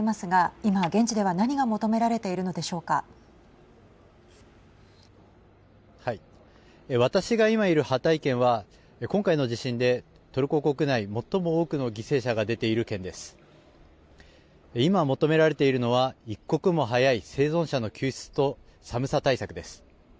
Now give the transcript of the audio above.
今求められているのは一刻も早い生存者の救出と寒さ対策です。